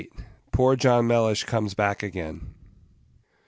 POOR JOHN MELLISH COMES BACK AGAIN.